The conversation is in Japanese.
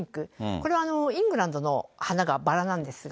これはイングランドの花がばらなんですが。